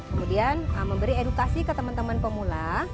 kemudian memberi edukasi ke teman teman pemula